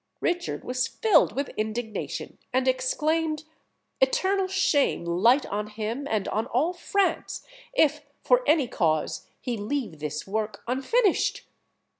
Richard was filled with indignation, and exclaimed, "Eternal shame light on him, and on all France, if, for any cause, he leave this work unfinished!"